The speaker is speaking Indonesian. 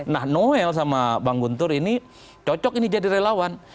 nah noel sama bang guntur ini cocok ini jadi relawan